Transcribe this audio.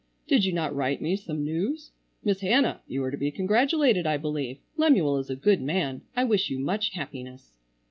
"Did you not write me some news? Miss Hannah, you are to be congratulated I believe. Lemuel is a good man. I wish you much happiness."